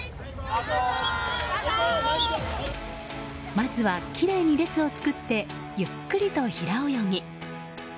まずは、きれいに列を作ってゆっくりと平泳ぎ。